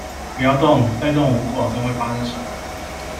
不要動，再動我不保證會發生什麼